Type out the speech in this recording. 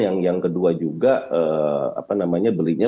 yang kedua juga apa namanya belinya